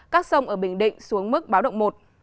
các sông ở bình định xuống mức báo động một